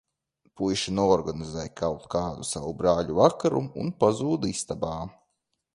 Puiši noorganizē kaut kādu savu "brāļu vakaru" un pazūd istabā.